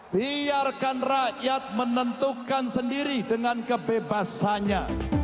biarkan rakyat menentukan sendiri dengan kebebasannya